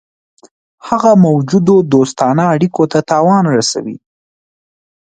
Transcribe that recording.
هغه موجودو دوستانه اړېکو ته تاوان رسوي.